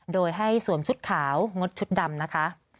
โดยให้สวมชุดขาวงดชุดดำนะคะ